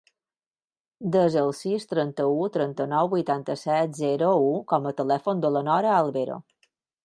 Desa el sis, trenta-u, trenta-nou, vuitanta-set, zero, u com a telèfon de la Nora Albero.